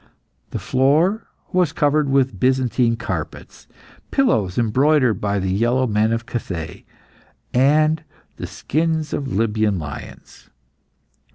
The floor was covered with Byzantine carpets, pillows embroidered by the yellow men of Cathay, and the skins of Libyan lions.